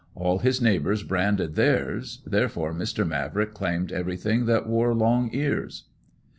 All his neighbors branded theirs, therefore Mr. Mavrick claimed everything that wore long ears.